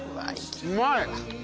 うまい。